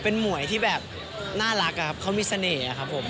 เป็นหวยที่แบบน่ารักอะครับเขามีเสน่ห์ครับผม